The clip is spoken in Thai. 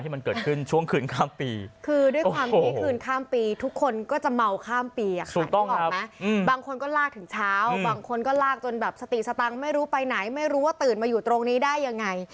บางคนก็ลากถึงเช้าบางคนก็ลากจนสติสตังไม่รู้ไปไหนไม่รู้ว่าตื่นมาอยู่ตรงนี้ได้ยังไง